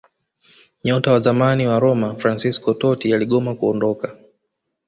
Nyota wa zamani wa Roma Fransesco Totti aligoma kuondoka